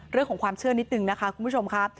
เรื่องของความเชื่อนิดนึงนะคะคุณผู้ชมค่ะ